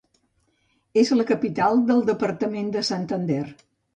És la capital del departament de Santander.